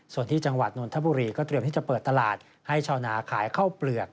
ส่วนที่จังหวัดนนทบุรีก็เตรียมที่จะเปิดตลาดให้ชาวนาขายข้าวเปลือก